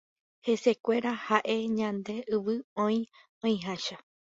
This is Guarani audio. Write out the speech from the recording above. Hesekuéra ae ñande yvy oĩ oĩháicha.